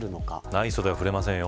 ない袖は振れませんよ。